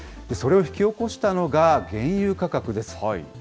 それを引き起こしたのが原油価格です。